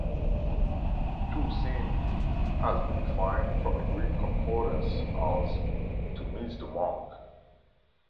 "To sin" has been defined from a Greek concordance as "to miss the mark".